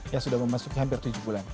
ya sudah memasuki hampir tujuh bulan